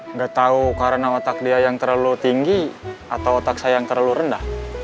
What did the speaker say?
nggak tahu karena otak dia yang terlalu tinggi atau otak saya yang terlalu rendah